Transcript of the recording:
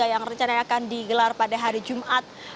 yang rencana akan digelar pada hari jumat